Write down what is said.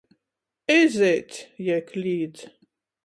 Ezeits! jei klīdz.